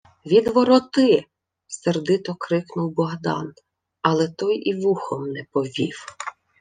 — Відвороти! — сердито крикнув Богдан, але той і вухом не повів: